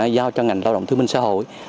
giao cho ngành lao động thư minh xã hội